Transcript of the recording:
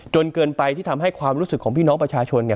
เกินไปที่ทำให้ความรู้สึกของพี่น้องประชาชนเนี่ย